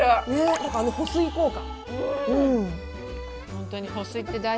だから、あの保水効果。